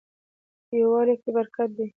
یووالي کې برکت دی